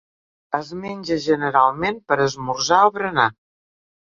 Es menja generalment per esmorzar o berenar.